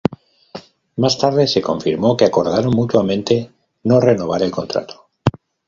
Más tarde se confirmó que acordaron mutuamente no renovar el contrato.